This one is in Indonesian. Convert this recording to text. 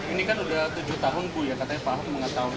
ini kan sudah tujuh tahun pak ahok mengatakan